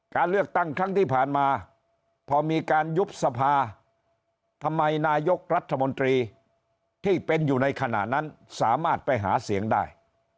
การเลือกตั้งครั้งที่ผ่านมาพอมีการยุบสภาทำไมนายกรัฐมนตรีที่เป็นอยู่ในขณะนั้นสามารถไปหาเสียงได้